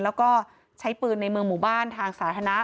แล้วก็ใช้ปืนในเมืองหมู่บ้านทางสาธารณะ